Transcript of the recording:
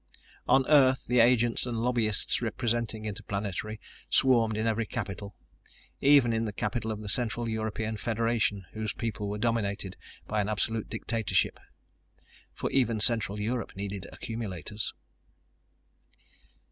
On Earth the agents and the lobbyists representing Interplanetary swarmed in every capital, even in the capital of the Central European Federation, whose people were dominated by an absolute dictatorship. For even Central Europe needed accumulators.